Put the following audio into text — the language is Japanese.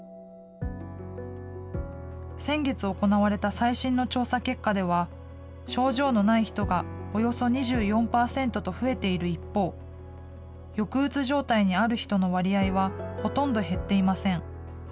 先月行われた最新の調査結果では、症状のない人がおよそ２４％と増えている一方、抑うつ状態にある人の割合はほとんど減っていません。